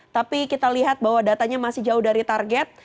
tapi kita lihat bahwa datanya masih jauh dari target